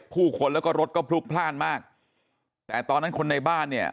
ผู้คนแล้วก็รถก็พลุกพลาดมากแต่ตอนนั้นคนในบ้านเนี่ย